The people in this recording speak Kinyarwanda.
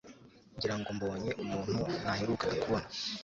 Ngira ngo mbonye umuntu ntaherukaga kubona